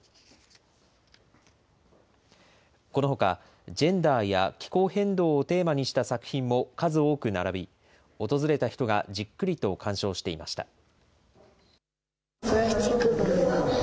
このほか、ジェンダーや気候変動をテーマにした作品も数多く並び、訪れた人がじっくりと鑑賞していました。